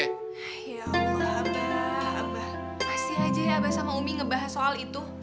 ya allah abah pasti aja ya abah sama umi ngebahas soal itu